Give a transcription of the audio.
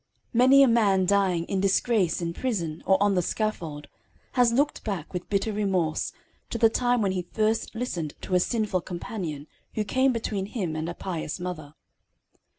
Many a man dying in disgrace, in prison, or on the scaffold, has looked back with bitter remorse to the time when he first listened to a sinful companion who came between him and a pious mother.